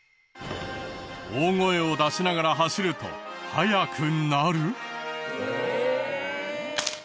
大声を出しながら走ると速くなる！？